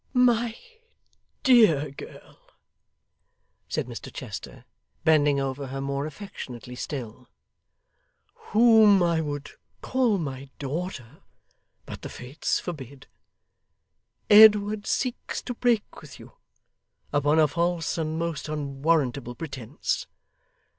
'My dear girl,' said Mr Chester, bending over her more affectionately still; 'whom I would call my daughter, but the Fates forbid, Edward seeks to break with you upon a false and most unwarrantable pretence.